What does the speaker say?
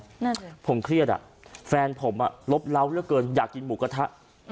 นั่นสิผมเครียดอ่ะแฟนผมอ่ะลบเล้าเหลือเกินอยากกินหมูกระทะ